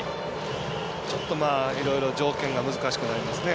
ちょっと、いろいろ条件が難しくなりますね。